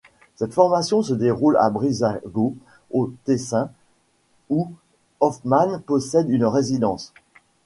Cette formation se déroule à Brissago, au Tessin, où Hofmann possède une résidence.